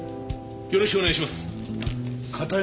よろしくお願いします。